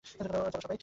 চলো, সবাই!